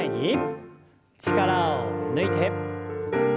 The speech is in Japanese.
力を抜いて。